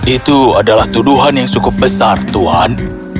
itu adalah tuduhan yang cukup besar tuhan